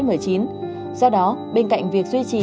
do đó bên cạnh việc duy trì các tổ giám sát thì các cơ quan chức năng